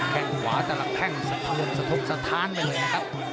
แข้งขวาจะหลักแห้งสะทนสะท้นสะทานไปเลยนะครับ